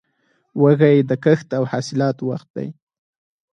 وږی د کښت او حاصلاتو وخت دی.